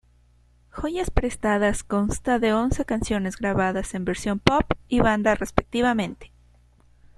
Joyas Prestadas consta de once canciones grabadas en versión pop y banda respectivamente.